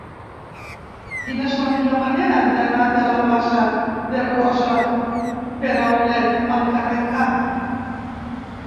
Quina és la millor manera d'anar de la plaça de Rosa Peraulet al carrer K?